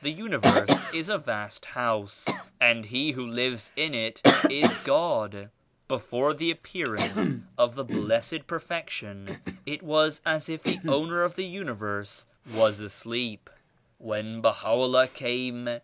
The Universe is a vast House and He who lives in it is God. Before the Appearance of the Blessed Perfection it was as if the Owner of the Universe was asleep. When Baha'u'llah came.